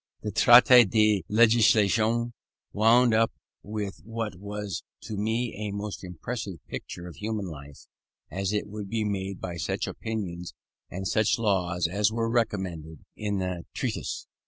The Traité de Legislation wound up with what was to me a most impressive picture of human life as it would be made by such opinions and such laws as were recommended in the treatise.